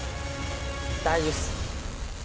大丈夫っす。